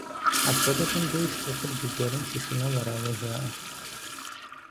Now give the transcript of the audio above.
Апхуэдэхэм деж цӀыхур зыгуэрым щышынэу арауэ жаӀэ.